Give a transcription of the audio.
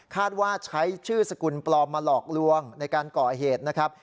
ว่าใช้ชื่อสกุลปลอมมาหลอกลวงในการก่อเหตุนะครับ